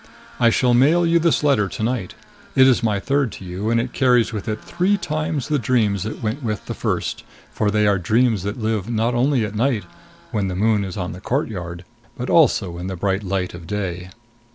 I shall mail you this letter to night. It is my third to you, and it carries with it three times the dreams that went with the first; for they are dreams that live not only at night, when the moon is on the courtyard, but also in the bright light of day.